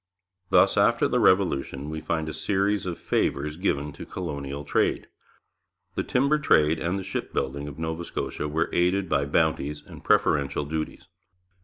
Thus after the Revolution we find a series of favours given to colonial trade. The timber trade and the shipbuilding of Nova Scotia were aided by bounties and preferential duties.